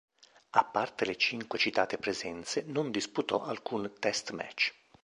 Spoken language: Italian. A parte le cinque citate presenze non disputò alcun "test match".